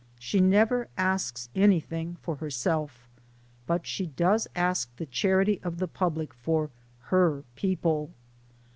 She never asks for anything for herself, but she does ask the charity of the public for "her people."